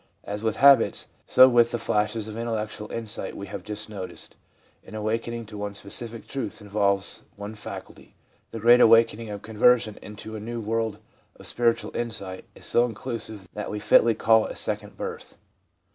As with habits, so with the flashes of intellectual insight we have just noticed; an awakening to one specific truth involves one faculty, the great awakening of conversion into a new world of spiritual insight is so inclusive that we fitly call it a second birth.